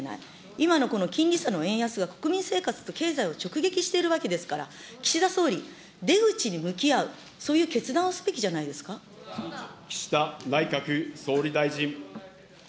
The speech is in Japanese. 今のこの金利差の円安が国民生活と経済を直撃しているわけですから、岸田総理、出口に向き合う、そういう決断をすべきじゃないで岸田内閣総理大臣。